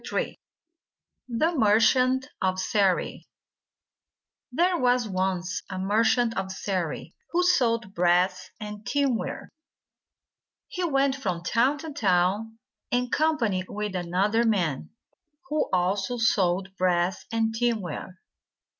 Ill THE MERCHANT OF SERI THERE was once a merchant of Seri who sold brass and tinware. He went from town to town, in company with another man, who also sold brass and tinware.